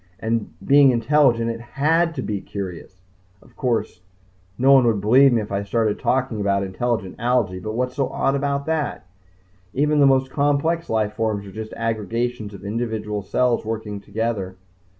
And being intelligent it had to be curious. Of course, no one would believe me if I started talking about intelligent algae. But what's so odd about that? Even the most complex life forms are just aggregations of individual cells working together.